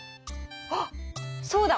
あっそうだ！